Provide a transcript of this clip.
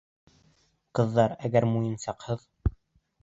Ҡыҙҙар, әгәр муйынсаҡһыҙ...